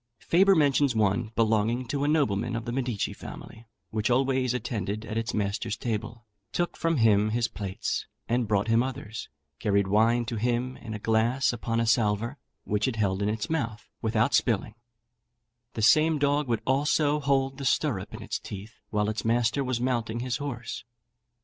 Faber mentions one belonging to a nobleman of the Medici family, which always attended at its master's table, took from him his plates, and brought him others; carried wine to him in a glass upon a salver, which it held in its mouth, without spilling; the same dog would also hold the stirrup in its teeth while its master was mounting his horse.